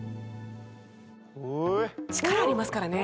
力ありますからね。